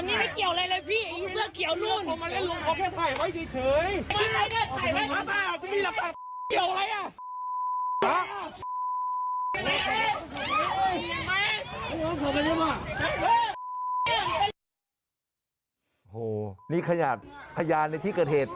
โอ้โหนี่ขยาดพยานในที่เกิดเหตุ